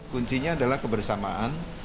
kuncinya adalah kebersamaan